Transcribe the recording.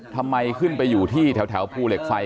ทำไมขึ้นไปอยู่ที่แถวภูเหล็กไฟ